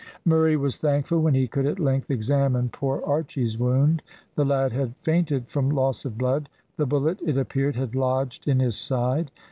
Murray was thankful when he could at length examine poor Archy's wound. The lad had fainted from loss of blood; the bullet, it appeared, had lodged in his side.